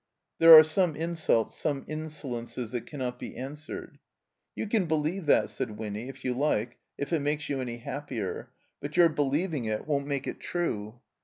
'* There are some insults, some insolences that can not be answered. "You can believe that," said Winny, "if you like — if it makes you any happier. But your believing it won*t make it true."